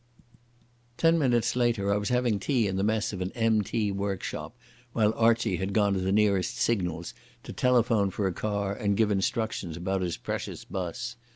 Ten minutes later I was having tea in the mess of an M.T. workshop while Archie had gone to the nearest Signals to telephone for a car and give instructions about his precious bus.